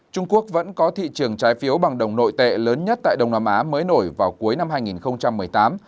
trung quốc vẫn có thị trường trái phiếu bằng đồng nội tệ lớn nhất tại đông nam á mới nổi vào cuối năm hai nghìn một mươi tám